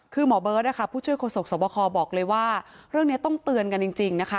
คือหมอเบิร์ตผู้ช่วยโศกสวบคอบอกเลยว่าเรื่องนี้ต้องเตือนกันจริงนะคะ